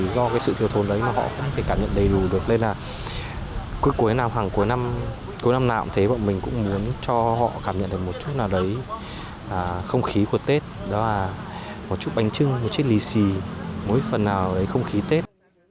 đó là một chút bánh trưng một chút lì xì mỗi phần nào không khí tết